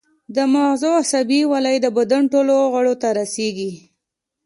د مغزو عصبي ولۍ د بدن ټولو غړو ته رسیږي